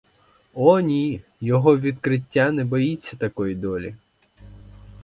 О ні, його відкриття не боїться такої долі.